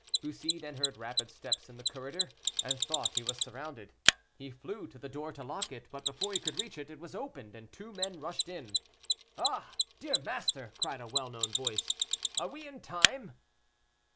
Bussy then heard rapid steps in the corridor, and thought he was surrounded. He flew to the door to lock it, but before he could reach it, it was opened, and two men rushed in. "Ah! dear master!" cried a well known voice, "are we in time?"